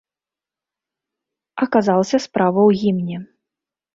Аказалася, справа ў гімне.